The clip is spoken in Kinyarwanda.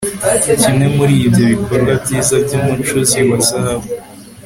Kimwe muri ibyo bikorwa byiza byumucuzi wa zahabu